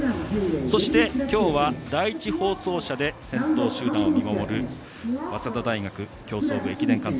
そして、今日は第１放送車で先頭集団を見守る早稲田大学競走部駅伝監督